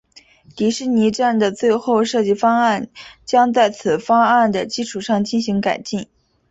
迪士尼站的最后设计方案将在此方案的基础上进行改进。